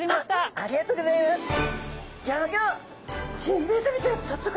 あっありがとうギョざいます。